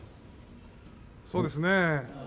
そうですね。